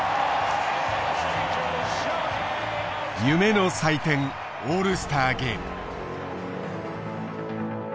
夢の祭典オールスターゲーム。